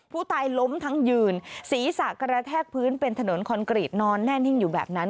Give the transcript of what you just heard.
ผู้ตายล้มทั้งยืนศีรษะกระแทกพื้นเป็นถนนคอนกรีตนอนแน่นิ่งอยู่แบบนั้น